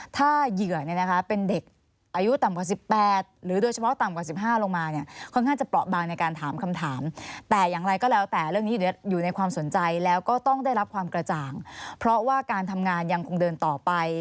ถ้าเหยื่อเป็นเด็กอายุต่ำกว่า๑๘ปี